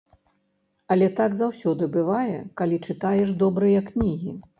Але так заўсёды бывае, калі чытаеш добрыя кнігі.